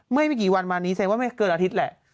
เมื่อมีกี่วันมาวันหนี้เองว่าไม่เกินอาทิตย์แหละ